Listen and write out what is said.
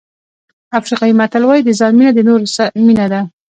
افریقایي متل وایي د ځان مینه د نورو مینه ده.